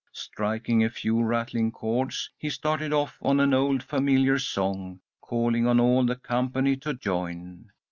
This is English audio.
Striking a few rattling chords, he started off on an old familiar song, calling on all the company to join.